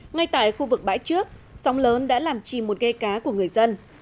ngay tại khu vực bãi trước sóng lớn đã làm chìm một ghe cá của người dân